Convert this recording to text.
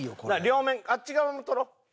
両面あっち側も撮ろう。